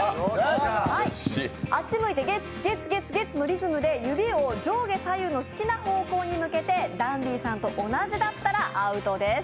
ゲッツゲッツゲッツ！のリズムで指を上下左右の好きな方向に向けてダンディさんと同じだったらアウトです。